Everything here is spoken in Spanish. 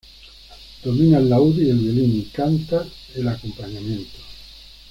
Domina el laúd y el violín y canta el acompañamiento.